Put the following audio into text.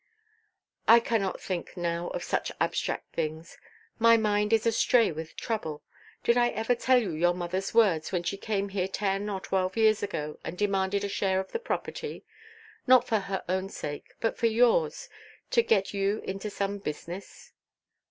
"I cannot think now of such abstract things. My mind is astray with trouble. Did I ever tell you your motherʼs words, when she came here ten or twelve years ago, and demanded a share of the property? Not for her own sake, but for yours, to get you into some business."